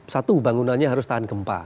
satu bangunannya harus tahan gempa